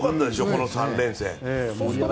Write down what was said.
この３連戦。